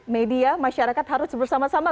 media masyarakat harus bersama sama